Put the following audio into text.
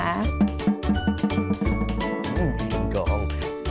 กินกอง